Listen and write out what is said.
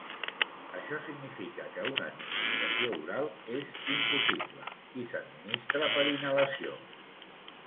Això significa que una administració oral és impossible, i s'administra per inhalació.